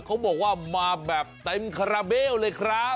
เขาบอกว่ามาแบบเต็มคาราเบลเลยครับ